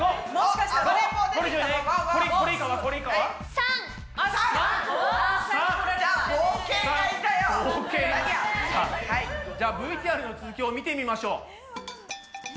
さあじゃあＶＴＲの続きを見てみましょう。